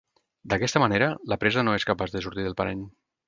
D'aquesta manera, la presa no és capaç de sortir del parany.